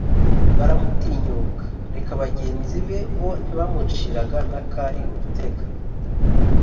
baramutinyuka: reka bagenzi be, bo ntibamuciraga n'akari urutega;